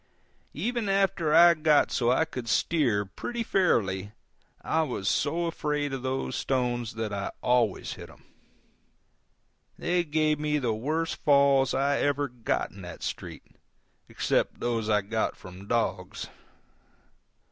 Even after I got so I could steer pretty fairly I was so afraid of those stones that I always hit them. They gave me the worst falls I ever got in that street, except those which I got from dogs.